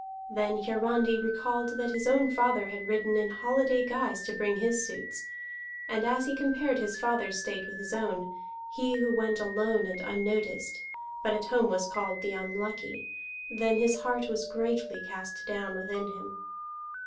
Then Hiarandi recalled that his own father had ridden in holiday guise to bring his suits; and as he compared his father's state with his own, he who went alone and unnoticed, but at home was called the Unlucky, then his heart was greatly cast down within him.